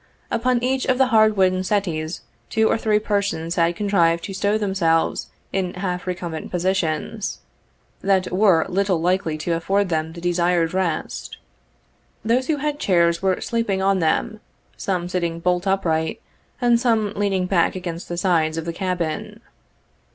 Upon each of the hard wooden settees two or three persons had contrived to stow them selves in half recumbent positions, that were little likely to afford them the desired rest. Those who had chairs were sleeping on them, some sitting bolt upright, and some lean ing back against the sides of the cabin.